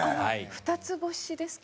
ふたつ星ですか？